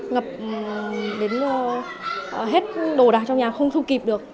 ngập đến hết đồ đạc trong nhà không thu kịp được